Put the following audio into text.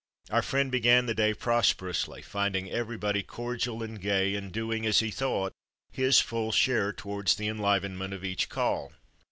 Our friend began the day prosperously, finding everybody cordial and gay, and doing, as he thought, his full share towards the enlivenment of each call.